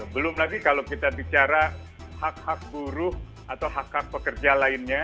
belum lagi kalau kita bicara hak hak buruh atau hak hak pekerja lainnya